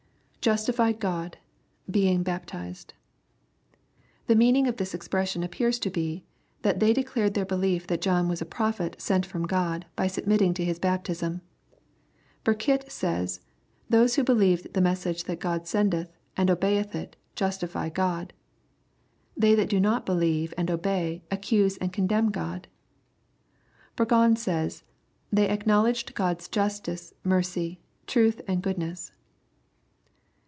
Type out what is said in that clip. [Justified Ghd...being baptized.] The meaning of this expression appears to be, that " they declared thei>* beUef that John was a ^ prophet sent from God, by submitting to his baptism." Burkitt says, " Those who believe the message that God sendeth, and obey it, justify God. They that do not belie\ e and obey, accuse and condemn God." Burgon says, " They acknowledged God's justice, mercy, truth and goodness."